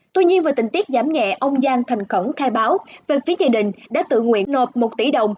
tuy nhiên với tình tiết giảm nhẹ ông giang thành khẩn khai báo về phía gia đình đã tự nguyện nộp một tỷ đồng